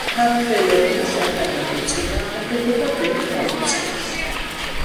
ქართველებმა სათანადო წინააღმდეგობა ვერ გაუწიეს.